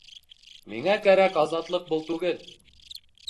Миңә кәрәк азатлыҡ был түгел!